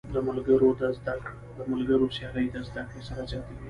د ملګرو سیالۍ د زده کړې سرعت زیاتوي.